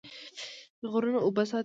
غرونه اوبه ساتي.